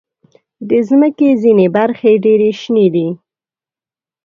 د مځکې ځینې برخې ډېر شنې دي.